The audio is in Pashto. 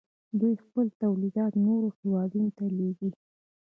دوی خپل تولیدات نورو هیوادونو ته لیږي.